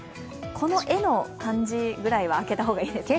この絵の感じぐらいは空けた方がいいですね。